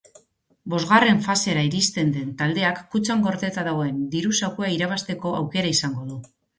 Bosgarren fasera iristen den taldeak kutxan gordeta dagoen diru-zakua irabazteko aukera izango du.